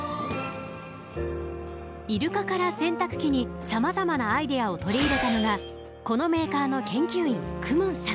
イルカから洗濯機にさまざまなアイデアを取り入れたのがこのメーカーの研究員公文さん。